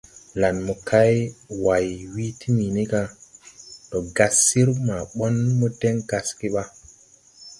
Lan mokay Way wii Timini ga: Ndo gas sir ma ɓon mo deŋ gasge ɓa?